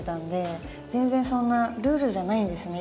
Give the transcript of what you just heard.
全然そんなルールじゃないんですね。